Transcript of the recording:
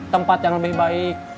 tempat yang lebih baik